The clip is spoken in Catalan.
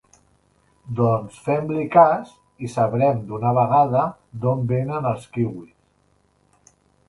Doncs fem-li cas i sabrem d'una vegada d'on venen els kiwis.